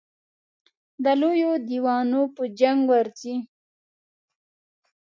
د لویو دېوانو په جنګ ورځي.